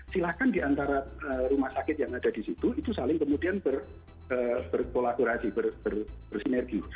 silahkan di antara rumah sakit yang ada disitu itu saling kemudian berkolaborasi bersinergi